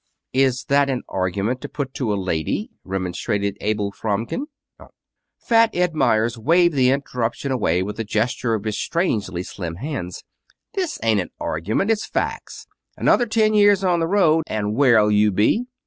"Is that a argument to put to a lady?" remonstrated Abel Fromkin. Fat Ed Meyers waved the interruption away with a gesture of his strangely slim hands. "This ain't an argument. It's facts. Another ten years on the road, and where'll you be?